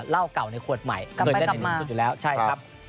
เหล้าเก่าในขวดใหม่เคยเล่นในเมืองสุดอยู่แล้วใช่ครับ